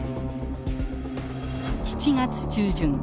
７月中旬